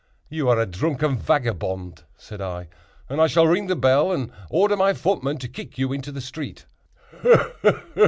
"You are a drunken vagabond," said I, "and I shall ring the bell and order my footman to kick you into the street."